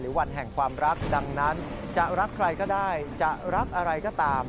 วันแห่งความรักดังนั้นจะรักใครก็ได้จะรักอะไรก็ตาม